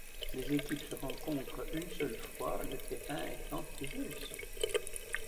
Les équipes se rencontrent une seule fois, le terrain étant tiré au sort.